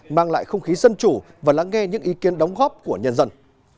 mang lại không khí dân chủ và lắng nghe những ý kiến đóng góp của nhân dân